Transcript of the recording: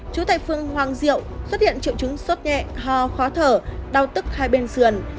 chú tại phương hoàng diệu xuất hiện triệu chứng sốt nhẹ ho khó thở đau tức hai bên sườn